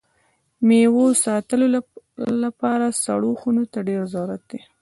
د میوو ساتلو لپاره سړو خونو ته ډېر ضرورت ده.